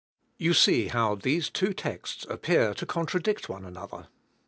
" You see how these two texts ap pear to contradict one another.